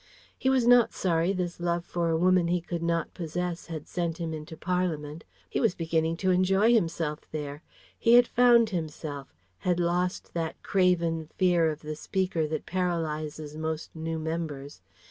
He was not sorry this love for a woman he could not possess had sent him into Parliament. He was beginning to enjoy himself there. He had found himself, had lost that craven fear of the Speaker that paralyzes most new members.